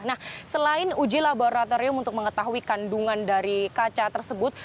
nah selain uji laboratorium untuk mengetahui kandungan dari kaca tersebut